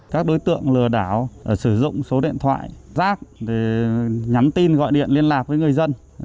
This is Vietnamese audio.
các đối tượng lừa đảo sử dụng số điện thoại rác để nhắn tin gọi điện liên lạc với người dân